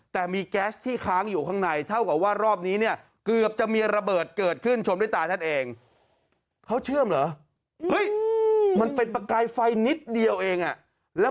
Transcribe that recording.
ติดตั้งแก๊สเค้าก็จะเอาถังแก๊สเก่า